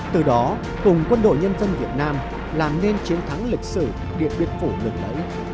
từ đó cùng quân đội nhân dân việt nam làm nên chiến thắng lịch sử điện biên phủ lừng lẫy